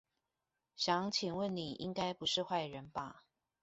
想請問你應該不是壞人吧